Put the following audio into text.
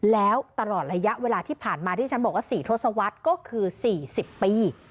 แล้วตลอดระยะเวลาที่ผ่านมาที่ฉันบอกว่า๔ทศวรรษก็คือ๔๐ปี